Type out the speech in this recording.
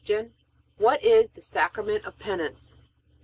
What is the Sacrament of Penance?